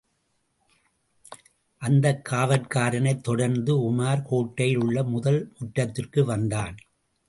அந்தக் காவற்காரனைத் தொடர்ந்து உமார் கோட்டையில் உள்ள முதல் முற்றத்திற்கு வந்தான்.